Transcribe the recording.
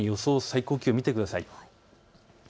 最高気温を見てください。